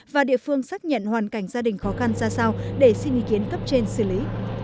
và địa phương xác nhận hoàn cảnh gia đình khó khăn ra sao để xin ý kiến cấp trên xử lý